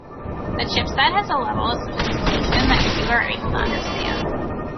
The chip set has a level of sophistication that few are able to understand.